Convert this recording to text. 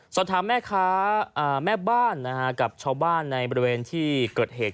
สอบถามแม่ค้าแม่บ้านกับชาวบ้านในบริเวณที่เกิดเหตุ